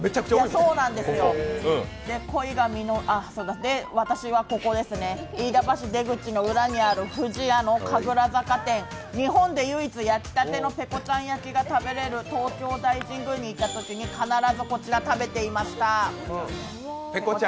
そうなんです、で、私はここですね、飯田橋出口の裏にある不二家の神楽坂店、日本で唯一、焼きたてのペコちゃん焼きが食べれる東京大神宮に行ったときに必ずこちら、食べてました。